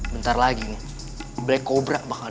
bentar lagi black cobra bakal